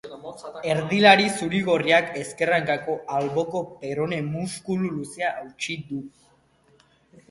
Erdilari zuri-gorriak ezker hankako alboko perone-muskulu luzea hautsi du.